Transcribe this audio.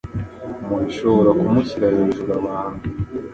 Mubishobora kumushyira hejuru abantu